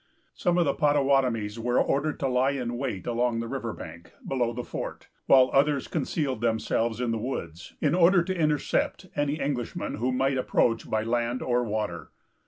Some of the Pottawattamies were ordered to lie in wait along the river bank, below the fort; while others concealed themselves in the woods, in order to intercept any Englishman who might approach by land or water.